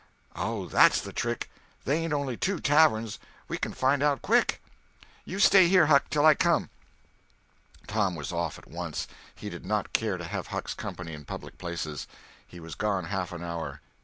"Oh, that's the trick! They ain't only two taverns. We can find out quick." "You stay here, Huck, till I come." Tom was off at once. He did not care to have Huck's company in public places. He was gone half an hour.